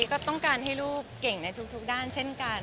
ก็ต้องการให้ลูกเก่งในทุกด้านเช่นกัน